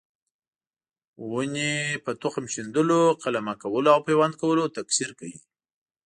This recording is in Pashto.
ونې په تخم شیندلو، قلمه کولو او پیوند کولو تکثیر کوي.